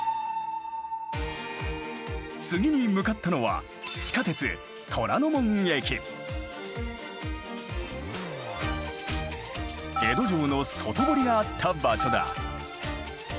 次に向かったのは地下鉄江戸城の外堀があった場所だ。